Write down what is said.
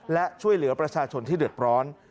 และช่วยเหลือประชาชนที่เดือดร้อน